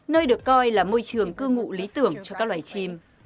nơi được coi là môi trường cư ngụ lý tưởng cho các loài chim